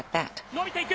伸びていく。